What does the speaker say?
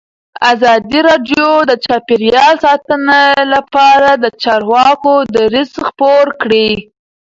ازادي راډیو د چاپیریال ساتنه لپاره د چارواکو دریځ خپور کړی.